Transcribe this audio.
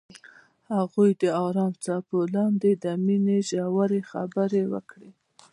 هغوی د آرام څپو لاندې د مینې ژورې خبرې وکړې.